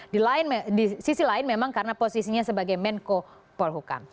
di sisi lain memang karena posisinya sebagai menko polhukam